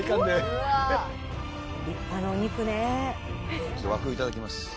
いただきます。